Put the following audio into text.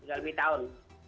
tiga lebih tahun